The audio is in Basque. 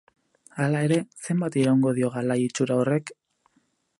Hala ere, zenbat iraungo dio galai itxura horrek?